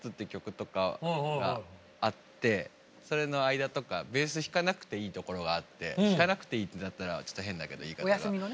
それの間とかベース弾かなくていいところがあって弾かなくていいってなったらちょっと変だけど言い方が。